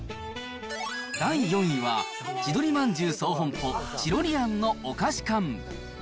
第４位は、千鳥饅頭総本舗、チロリアンのお菓子缶。